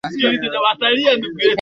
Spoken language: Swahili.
Shati lake ni jipya